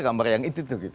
gambar yang itu tuh gitu